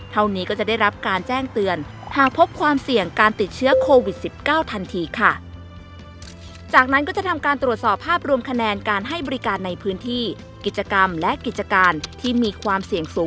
เท่านี้ก็จะได้รับการแจ้งเตือนหากพบความเสี่ยงการติดเชื้อโควิด๑๙ทันทีค่ะ